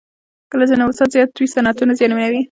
کله چې نوسانات زیات وي صنعتونه زیانمنوي.